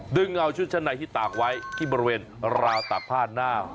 ดึงเอาชุดชั้นในที่ตากไว้ที่บริเวณราวตากผ้าหน้า